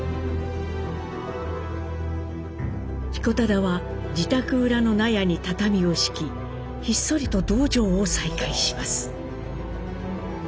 彦忠は自宅裏の納屋に畳を敷きひっそりと道場を再開します。